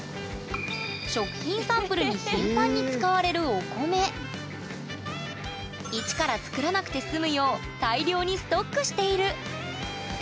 食品サンプルに頻繁に使われる一から作らなくて済むよう大量にストックしているえ